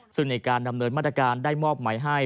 ซึ่งในการดำเนินมาตรการได้มอบหมายให้